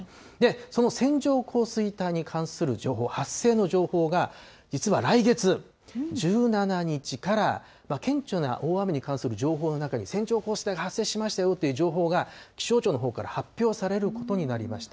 その線状降水帯に関する情報、発生の情報が、実は来月１７日から、顕著な大雨に関する情報の中に線状降水帯が発生しましたよっていう情報が、気象庁のほうから発表されることになりました。